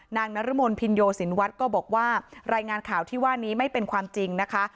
นรมนภินโยสินวัฒน์ก็บอกว่ารายงานข่าวที่ว่านี้ไม่เป็นความจริงนะคะ